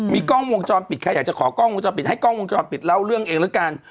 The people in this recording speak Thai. มีกล้องวงจรปิดใครอยากจะขอกล้องวงจรปิดให้กล้องวงจรปิดเล่าเรื่องเองแล้วกัน